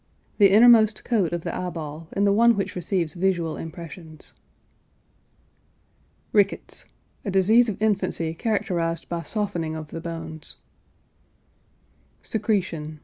The innermost coat of the eye ball and the one which receives visual impressions. RICKETS. A disease of infancy characterized by softening of the bones. SECRETION.